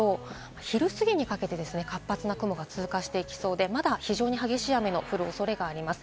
昼すぎにかけて活発な雲が通過していきそうで、まだ非常に激しい雨の降るおそれがあります。